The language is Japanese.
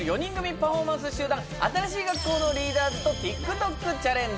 パフォーマンス集団新しい学校のリーダーズとＴｉｋＴｏｋチャレンジ